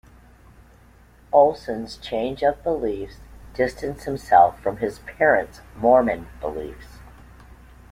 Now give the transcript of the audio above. Olson's change of beliefs distanced himself from his parents' Mormon beliefs.